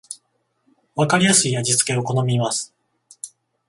わかりやすい味付けを好みます